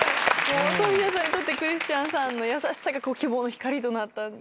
ソフィアさんにとってクリスチャンさんの優しさが希望の光となった。